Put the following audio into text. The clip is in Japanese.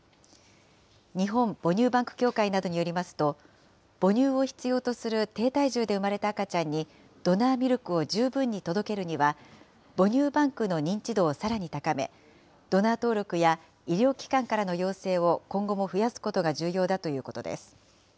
日本母乳バンク協会などによりますと、母乳を必要とする低体重で産まれた赤ちゃんにドナーミルクを十分に届けるには、母乳バンクの認知度をさらに高め、ドナー登録や医療機関からの要請を今後も増やすことが重要だということです。